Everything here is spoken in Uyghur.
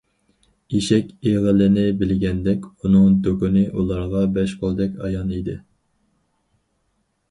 ئېشەك ئېغىلىنى بىلگەندەك، ئۇنىڭ دۇكىنى ئۇلارغا بەش قولدەك ئايان ئىدى.